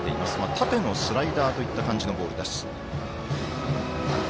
縦のスライダーといった感じのボールです。